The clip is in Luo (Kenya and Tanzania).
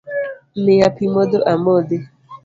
Miya pi modho amodhi.